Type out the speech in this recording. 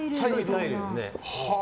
タイルをね。